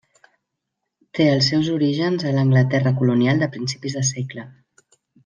Té els seus orígens a l'Anglaterra colonial de principis de segle.